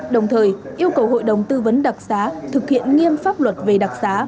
đồng thời yêu cầu hội đồng tư vấn đặc xá thực hiện nghiêm pháp luật về đặc giá